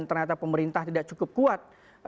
ternyata pemerintah tidak cukup kuat